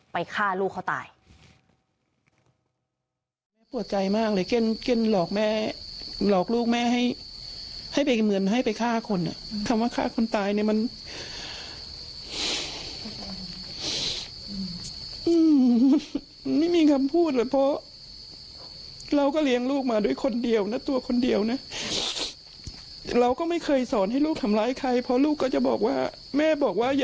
ฆ่าลูกเขาตาย